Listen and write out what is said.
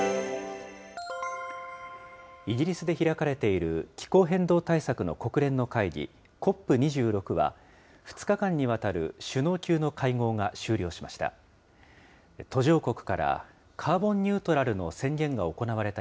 イギリスで開かれている気候変動対策の国連の会議、ＣＯＰ２６は、２日間にわたる首脳級の会合が終了しました。